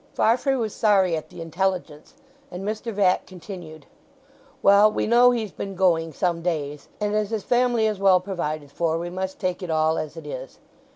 Farfrae was sorry at the intelligence, and Mr. Vatt continued: "Well, we know he's been going some days, and as his family is well provided for we must take it all as it is.